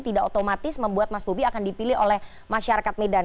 tidak otomatis membuat mas bobi akan dipilih oleh masyarakat medan